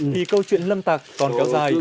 thì câu chuyện lâm tạc còn kéo dài